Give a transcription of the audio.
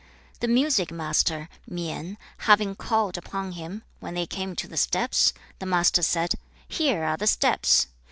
The Music master, Mien, having called upon him, when they came to the steps, the Master said, 'Here are the steps.'